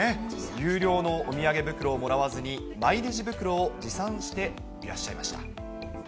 有料のお土産袋をもらわずに、マイレジ袋を持参していらっしゃいました。